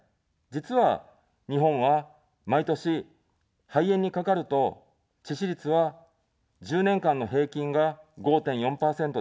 実は、日本は毎年、肺炎にかかると、致死率は１０年間の平均が５．４％です。